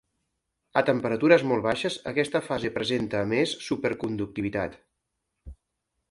A temperatures molt baixes aquesta fase presenta a més superconductivitat.